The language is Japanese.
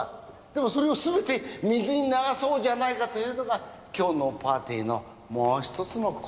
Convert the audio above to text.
でもそれをすべて水に流そうじゃないかというのが今日のパーティーのもう１つのコンセプトなんでね。